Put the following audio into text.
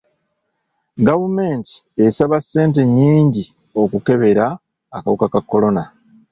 Gavumenti esaba ssente nnyingi okukebera akawuka ka kolona.